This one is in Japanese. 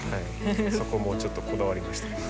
そこもちょっとこだわりました。